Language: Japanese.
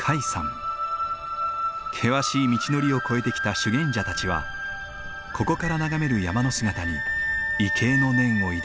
険しい道のりを越えてきた修験者たちはここから眺める山の姿に畏敬の念を抱いたに違いない。